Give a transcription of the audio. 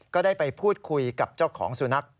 ก็ได้ไปพูดคุยกับเจ้าของสุนัข